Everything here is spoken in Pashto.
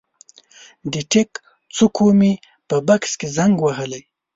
د ټیک څوکو مې په بکس کې زنګ وهلی